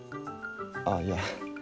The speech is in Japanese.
ああいや